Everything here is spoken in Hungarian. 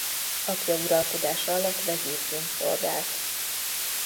Apja uralkodása alatt vezírként szolgált.